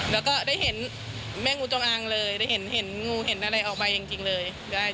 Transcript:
แล้วก็ได้เห็นแม่งูจงอางเลยได้เห็นงูเห็นอะไรออกไปจริงเลย